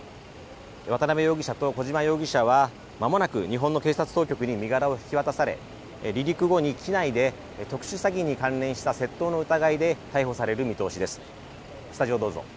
渡辺容疑者と小島容疑者は間もなく日本の警察当局に身柄を引き渡され離陸後に機内で特殊詐欺に関連した窃盗の疑いで逮捕される見通しです。